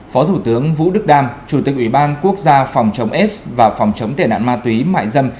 phó thủ tướng vũ đức đam chủ tịch ủy ban quốc gia phòng chống s và phòng chống tệ nạn ma túy mại dâm